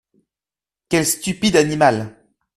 Quel stupide animal !